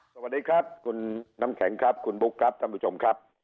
สวัสดีครับคุณน้ำแข็งครับคุณบุ๊คครับท่านผู้ชมครับ